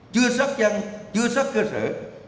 chưa xác dân chưa xác cơ sở